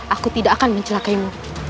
aku tidak akan mencelakaimu